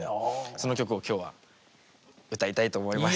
その曲を今日は歌いたいと思います。